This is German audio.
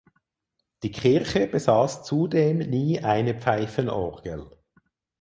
Die Kirche besaß zudem nie eine Pfeifenorgel.